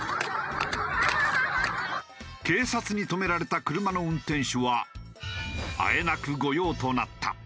警察に止められた車の運転手はあえなく御用となった。